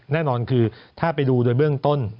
แน่นอนคือถ้าไปดูโดยเบื้องต้น